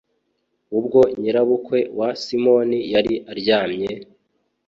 Ubwo nyirabukwe wa simoni yari aryamye